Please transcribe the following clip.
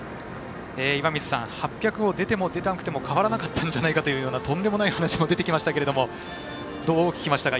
岩水さん、８００を出ても出なくても変わらなかったんじゃないかというとんでもない話も出てきましたけれどもどう聞きましたか？